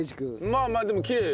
まあまあでもきれい。